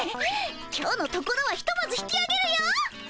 今日のところはひとまず引きあげるよ。